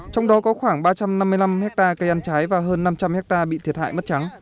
trong đó có khoảng ba trăm năm mươi năm hectare cây ăn trái và hơn năm trăm linh hectare bị thiệt hại mất trắng